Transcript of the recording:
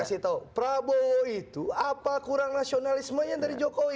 pak prabowo itu apa kurang nasionalismenya dari jokowi